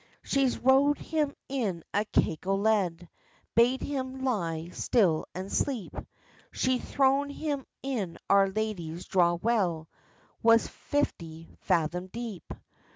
She's rowd him in a cake o lead, Bade him lie still and sleep; She's thrown him in Our Lady's draw well, Was fifty fathom deep.